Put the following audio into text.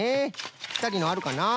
ぴったりのあるかな？